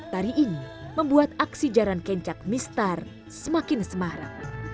tari ini membuat aksi jaran kencak mistar semakin semara